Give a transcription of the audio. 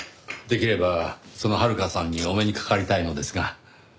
できればその遥香さんにお目にかかりたいのですが。